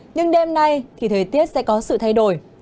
nhưng đêm nay thì thời tiết sẽ có sự thay đổi